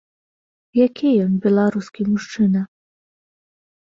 Які ён, беларускі мужчына?